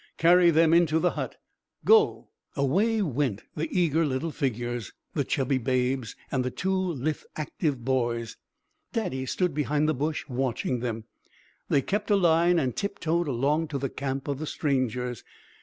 Carry them into the hut. Go!" Away went the eager little figures, the chubby babes and the two lithe, active boys. Daddy stood behind the bush watching them. They kept a line and tip toed along to the camp of the strangers.